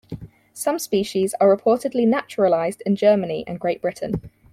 Some species are reportedly naturalised in Germany and Great Britain.